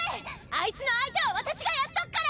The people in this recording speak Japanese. あいつの相手は私がやっとくから！